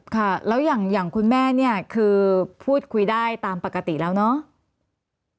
ค่ะแล้วอย่างคุณแม่เนี่ยคือพูดคุยได้ตามปกติแล้วเนาะ